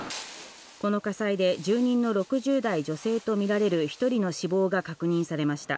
この火災で、住人の６０代女性と見られる１人の死亡が確認されました。